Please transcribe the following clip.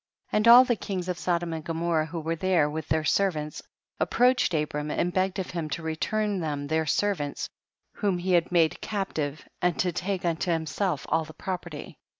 13. And all the kings of Sodom and Gomorrah Avho were there, with their servants, approached Abram and begged of him to return them their servauits whom he had made captive, and to take unto liimself all the property.